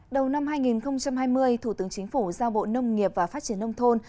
đầu năm hai nghìn hai mươi thủ tướng chính phủ giao bộ nông nghiệp và phát triển nông thôn